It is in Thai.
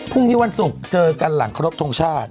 พรุ่งนี้วันศุกร์เจอกันหลังครบทรงชาติ